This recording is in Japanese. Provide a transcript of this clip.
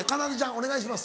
お願いします。